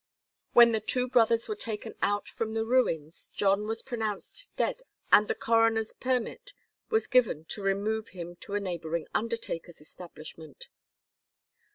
When the two brothers were taken out from the ruins, John was pronounced dead and a coroner's permit was given to remove him to a neighboring undertaker's establishment.